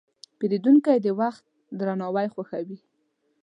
پیرودونکی د وخت درناوی خوښوي.